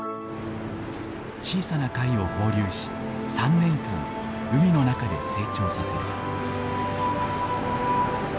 小さな貝を放流し３年間海の中で成長させる。